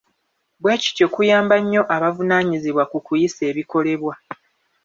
Bwe kityo kuyamba nnyo abavunaanyizibwa ku kuyisa ebikolebwa.